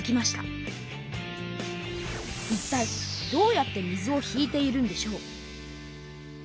いったいどうやって水を引いているんでしょう。